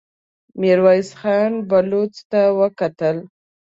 ميرويس خان بلوڅ ته وکتل.